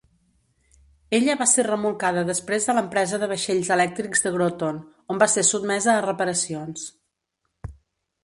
Ella va ser remolcada després a l'empresa de vaixells elèctrics de Groton, on va ser sotmesa a reparacions.